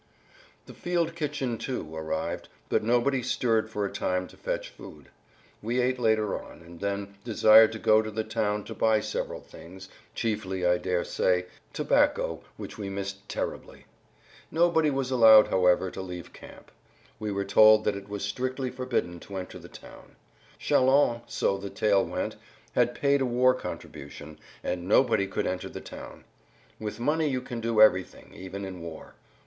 The field kitchen, too, arrived, but nobody stirred for a time to fetch food. We ate later on, and then desired to go to the town to buy several things, chiefly, I daresay, tobacco which we missed terribly. Nobody was allowed however, to leave camp. We were told that it was strictly forbidden to enter the town. "Châlons," so the tale went, had paid a war contribution, and nobody could enter the town. With money you can do everything, even in war.